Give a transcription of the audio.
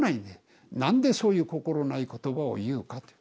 なんでそういう心ない言葉を言うかって。